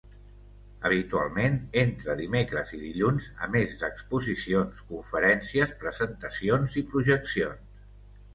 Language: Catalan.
Habitualment entre dimecres i dilluns, a més d'exposicions, conferències, presentacions i projeccions.